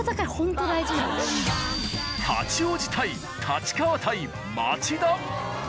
八王子対立川対町田。